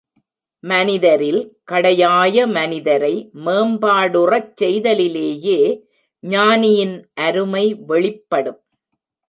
மனிதரில் கடையாய மனிதரை மேம்பாடுறச் செய்தலிலேயே ஞானியின் அருமை வெளிப்படும்.